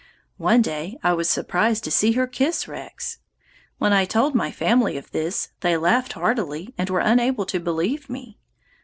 "One day I was surprised to see her kiss Rex. When I told my family of this, they laughed heartily and were unable to believe me.